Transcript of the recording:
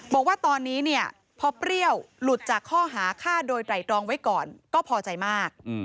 บอกว่าตอนนี้เนี่ยพอเปรี้ยวหลุดจากข้อหาฆ่าโดยไตรตรองไว้ก่อนก็พอใจมาก